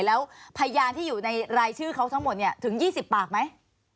แล้วพยานที่อยู่ในรายชื่อเขาทั้งหมดถึง๒๐ปากไหม